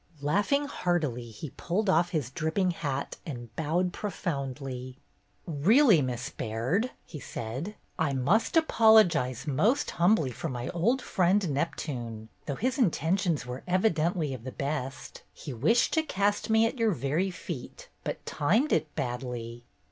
Laughing heartily, he pulled off his dripping hat and bowed profoundly. "Really, Miss Baird," he said, "I must apologize most humbly for my old friend, Neptune, though his intentions were evidently of the best. He wished to cast me at your very feet, but timed it badly."